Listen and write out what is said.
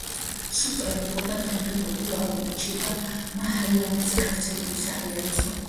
სუტრა იყო და დღემდე პოპულარული რჩება მაჰაიანას გავრცელების არეალის ქვეყნებში.